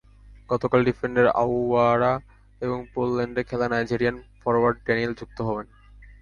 গতবারের ডিফেন্ডার আওয়ারা এবং পোল্যান্ডে খেলা নাইজেরিয়ান ফরোয়ার্ড ড্যানিয়েল যুক্ত হবেন।